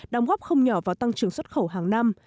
đóng góp không nhỏ vào tăng trưởng xuất khẩu hàng năm